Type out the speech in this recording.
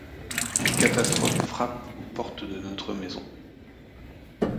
Une catastrophe frappe aux portes de notre maison.